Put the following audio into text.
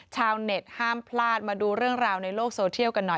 ชาวเน็ตห้ามพลาดมาดูเรื่องราวในโลกโซเทียลกันหน่อย